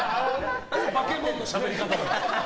化け物のしゃべり方だ。